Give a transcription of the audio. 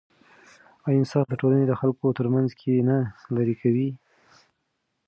آیا انصاف د ټولنې د خلکو ترمنځ کینه لیرې کوي؟